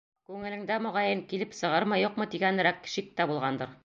Күңелеңдә, моғайын, килеп сығырмы-юҡмы тигәнерәк шик тә булғандыр?